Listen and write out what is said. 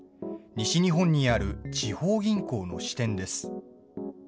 西日本にある地方銀行の支店です。